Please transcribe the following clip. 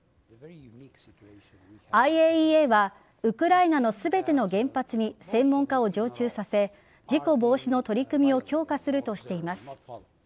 ＩＡＥＡはウクライナの全ての原発に専門家を常駐させ事故防止の取り組みを強化するとしています。